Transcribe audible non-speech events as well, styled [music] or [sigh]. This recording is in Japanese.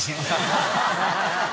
ハハハ [laughs]